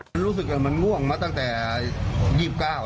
มันรู้สึกมันง่วงมาตั้งแต่๒๙บาทแล้ว